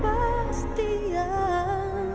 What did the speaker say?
dan ini kepastian